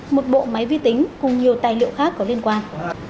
một bộ máy vi tính cùng nhiều tài liệu khác có liên quan